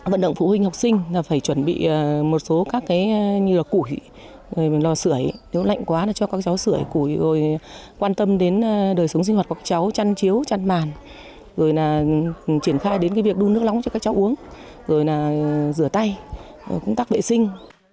vận động phụ huynh học sinh là phải chuẩn bị một số các cái như là củi rồi lò sửa lạnh quá cho các cháu sửa củi rồi quan tâm đến đời sống sinh hoạt của các cháu chăn chiếu chăn màn rồi là triển khai đến cái việc đun nước lóng cho các cháu uống rồi là rửa tay công tác vệ sinh